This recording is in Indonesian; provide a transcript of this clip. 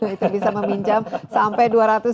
itu bisa meminjam sampai